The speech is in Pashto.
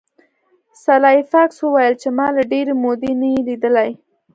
سلای فاکس وویل چې ما له ډیرې مودې نه یې لیدلی